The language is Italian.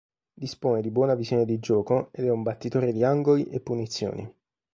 Dispone di buona visione di gioco ed è un battitore di angoli e punizioni.